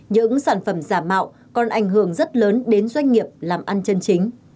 những sản phẩm giả mạo còn ảnh hưởng rất lớn đến doanh nghiệp làm ăn chân chính